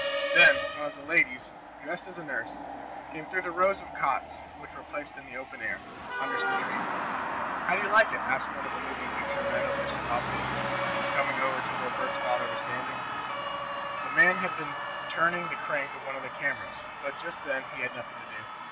Then one of the ladies, dressed as a nurse, came through the rows of cots which were placed in the open air, under some trees. "How do you like it?" asked one of the moving picture men of Mr. Bobbsey, coming over to where Bert's father was standing. The man had been turning the crank of one of the cameras, but, just then, he had nothing to do.